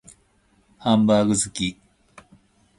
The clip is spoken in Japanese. ハンバーグ好き